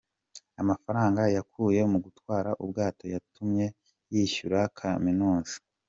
Amafaranga yakuye mu gutwara ubwato yatumye yiyishyurira Kaminuza.